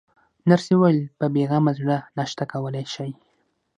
نرسې وویل: په بې غمه زړه ناشته کولای شئ.